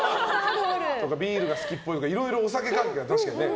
ビールが好きっぽいとかお酒関係は確かに。